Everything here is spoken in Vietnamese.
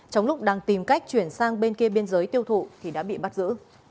trong lúc đang tìm cách chuyển sang bên kia biên giới tiêu thụ thì đã bị bắt giữ